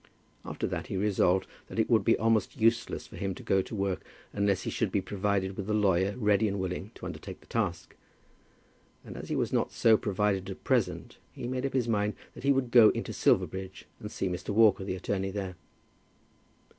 After that he resolved that it would be almost useless for him to go to work unless he should be provided with a lawyer ready and willing to undertake the task; and as he was not so provided at present, he made up his mind that he would go into Silverbridge, and see Mr. Walker, the attorney there.